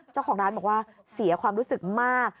เจ้าของร้านบอกว่าเสียความรู้สึกมาก